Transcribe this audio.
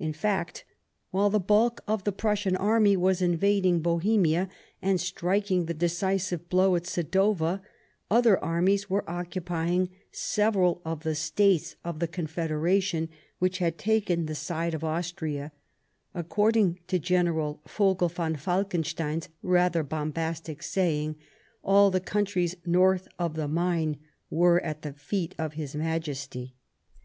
In fact, while the bulk of the Prussian army was invading Bohemia, and striking the decisive blow at Sadowa, other armies were occupy ing several of the States of the Confederation which had taken the side of Austria ; according to General Vogel von Falkenstein's rather bom.bastic saying, all the countries north of the Main were at the feet of his Majesty.